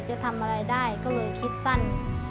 จะทำอะไรได้ก็เลยคิดสั้น